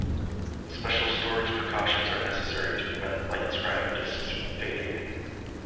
Special storage precautions are necessary to prevent LightScribe discs from fading.